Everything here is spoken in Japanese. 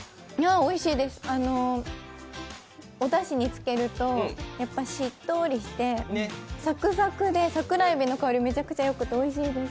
おいしいです、おだしにつけると、しっどたしてサクサクで、桜海老の香りがめちゃくちゃよくておいしいです。